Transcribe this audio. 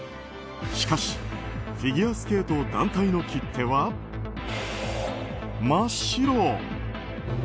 しかしフィギュアスケート団体の切手は真っ白。